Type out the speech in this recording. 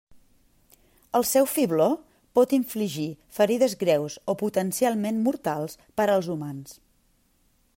El seu fibló pot infligir ferides greus o potencialment mortals per als humans.